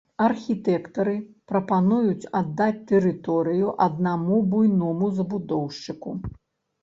Архітэктары прапануюць аддаць тэрыторыю аднаму буйному забудоўшчыку.